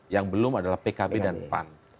yang belum adalah pkb dan pan